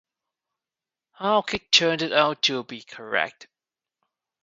Howick turned out to be correct.